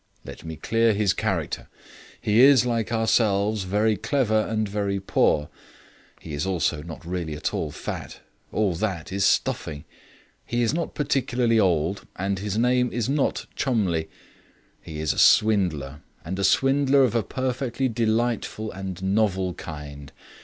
Let me clear his character. He is, like ourselves, very clever and very poor. He is also not really at all fat; all that is stuffing. He is not particularly old, and his name is not Cholmondeliegh. He is a swindler, and a swindler of a perfectly delightful and novel kind.